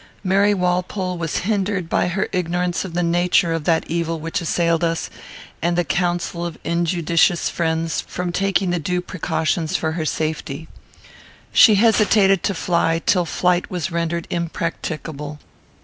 Mary Walpole pole was hindered by her ignorance of the nature of that evil which assailed us, and the counsel of injudicious friends, from taking the due precautions for her safety. She hesitated to fly till flight was rendered impracticable.